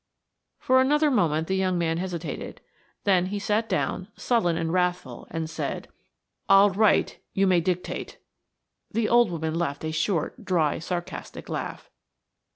For another moment the young man hesitated, then he sat down, sullen and wrathful, and said: "I'll write–you may dictate–" The old woman laughed a short, dry, sarcastic laugh.